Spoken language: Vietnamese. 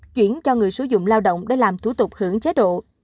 chuyển cho người sử dụng lao động để làm thủ tục hưởng chế độ